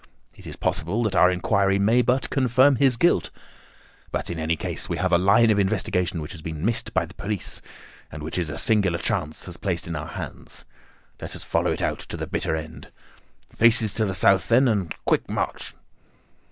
It is possible that our inquiry may but confirm his guilt; but, in any case, we have a line of investigation which has been missed by the police, and which a singular chance has placed in our hands. Let us follow it out to the bitter end. Faces to the south, then, and quick march!"